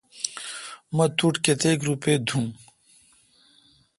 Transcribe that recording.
مہ تو ٹھ کتیک روپےدھُوم۔